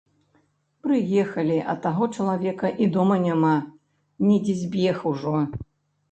Прыехалі, а таго чалавека і дома няма, недзе збег ужо.